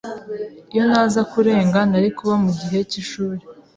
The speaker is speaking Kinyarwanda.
Iyo ntaza kurenga, nari kuba mugihe cyishuri.